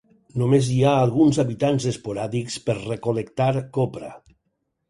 Només hi ha alguns habitants esporàdics per recol·lectar copra.